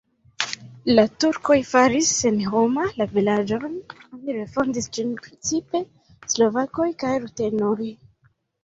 La turkoj faris senhoma la vilaĝon, oni refondis ĝin precipe slovakoj kaj rutenoj.